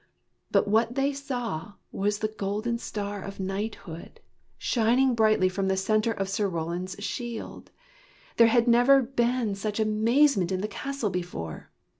But what they saw was the golden star of knighthood, shining brightly from the center of Sir Roland's shield. There had never been such amazement in the castle before.